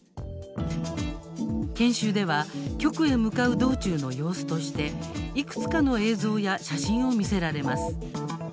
研修では局へ向かう道中の様子としていくつかの映像や写真を見せられます。